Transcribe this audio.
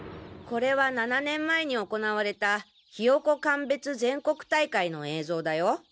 これは７年前に行われたヒヨコ鑑別全国大会の映像だよ。